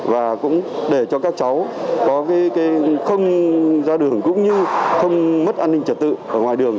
và cũng để cho các cháu không ra đường cũng như không mất an ninh trật tự ở ngoài đường